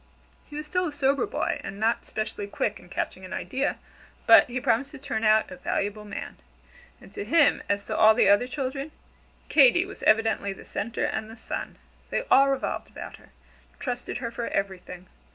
He was still a sober boy, and not specially quick in catching an idea, but he promised to turn out a valuable man. And to him, as to all the other children, Katy was evidently the centre and the sun. They all revolved about her, and trusted her for everything.